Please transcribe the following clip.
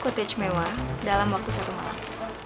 kote cemewa dalam waktu satu malam